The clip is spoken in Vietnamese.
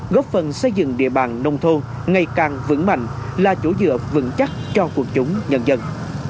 góp phần xây dựng địa bàn nông thôn ngày càng vững mạnh là chỗ dựa vững chắc cho quần chúng nhân dân